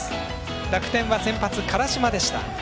楽天は先発、辛島でした。